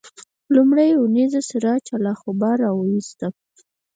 لومړۍ اونیزه سراج الاخبار راوویسته.